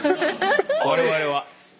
我々は。